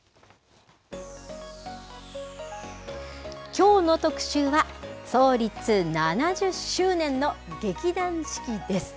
きょうの特集は、創立７０周年の劇団四季です。